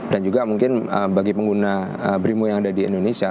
dan juga mungkin bagi pengguna brimo yang ada di indonesia